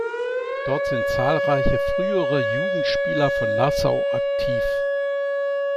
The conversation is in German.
Dort sind zahlreiche frühere Jugendspieler von Nassau aktiv.